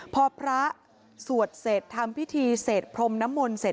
พอพระสวดเสร็จทำพิธีเสร็จพรมน้ำมนต์เสร็จ